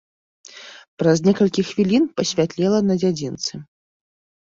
Праз некалькі хвілін пасвятлела на дзядзінцы.